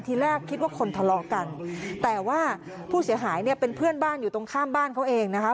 ทีแรกคิดว่าคนทะเลาะกันแต่ว่าผู้เสียหายเนี่ยเป็นเพื่อนบ้านอยู่ตรงข้ามบ้านเขาเองนะคะ